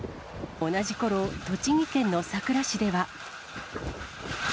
同じころ、栃木県のさくら市では。